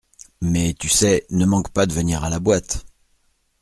Mais tu sais, ne manque pas de venir à la boîte.